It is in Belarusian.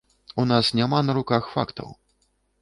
У нас няма на руках фактаў.